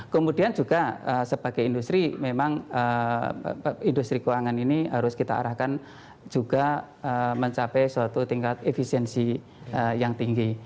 kemudian juga sebagai industri memang industri keuangan ini harus kita arahkan juga mencapai suatu tingkat efisiensi yang tinggi